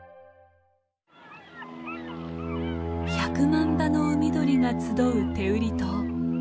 １００万羽の海鳥が集う天売島。